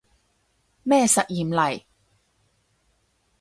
咩實驗嚟